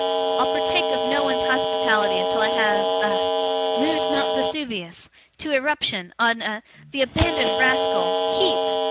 I'll partake of no one's hospitality, until I have a moved Mount Vesuvius to eruption on a the abandoned rascal HEEP!